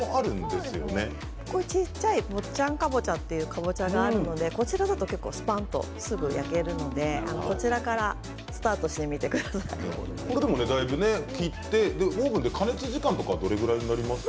小さい坊ちゃんかぼちゃがあるのでこちらだとスパンとすぐに切れるのでこちらから切ってオーブンで加熱時間はどれぐらいになりますか？